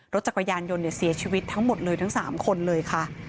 รถจักรยานยนต์เสียชีวิตทั้งหมดเลยทั้ง๓คนเลยค่ะ